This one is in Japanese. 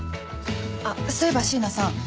あっそういえば椎名さん。